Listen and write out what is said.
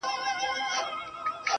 په رياضت کي ودې حد ته رسېدلی يمه_